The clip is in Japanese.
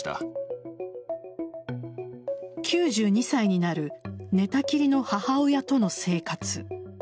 ９２歳になる寝たきりの母親との生活。